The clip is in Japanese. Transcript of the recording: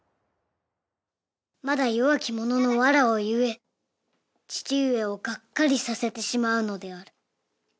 「まだよわきもののわらわゆえちちうえをがっかりさせてしまうのである」